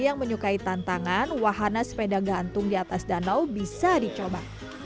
yang menyukai tantangan wahana sepeda gantung di atas danau bisa dicoba